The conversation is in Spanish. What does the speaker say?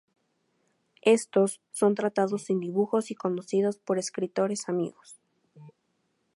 Estos son tratados sin dibujos y conocidos por escritores amigos.